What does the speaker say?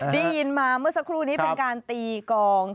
ได้ยินมาเมื่อสักครู่นี้เป็นการตีกอง